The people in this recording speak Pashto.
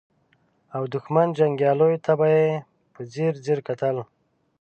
او د دښمن جنګياليو ته به يې په ځير ځير کتل.